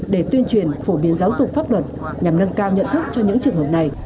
để tuyên truyền phổ biến giáo dục pháp luật nhằm nâng cao nhận thức cho những trường hợp này